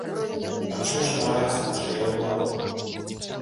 Аб чым жа мараць нашыя улады?